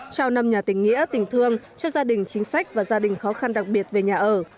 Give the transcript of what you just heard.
trao năm nhà tình nghĩa tình thương cho gia đình chính sách và gia đình khó khăn đặc biệt về nhà ở